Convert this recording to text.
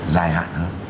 dài hạn hơn